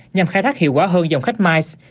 nhằm khai thác hiệu quả hơn dòng khách miles